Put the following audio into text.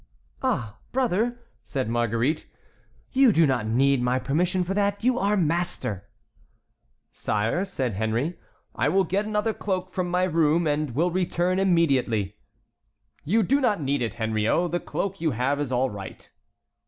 "Ah, brother," said Marguerite, "you do not need my permission for that; you are master." "Sire," said Henry, "I will get another cloak from my room, and will return immediately." "You do not need it, Henriot; the cloak you have is all right."